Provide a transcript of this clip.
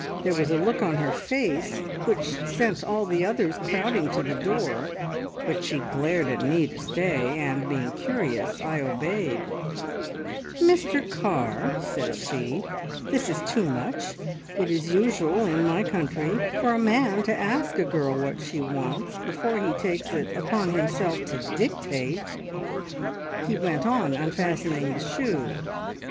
There was a look on her face which sent all the others crowding to the door, but she glared at me to stay, and, being curious, I obeyed. "`Mr Carr,' says she, `this is too much! It is usual in my country for a man to ask a girl what she wants, before he takes it upon himself to dictate!' "He went on unfastening the shoe.